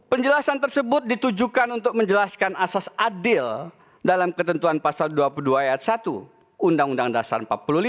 penjelasan tersebut ditujukan untuk menjelaskan asas adil dalam ketentuan pasal dua puluh dua ayat satu undang undang dasar empat puluh lima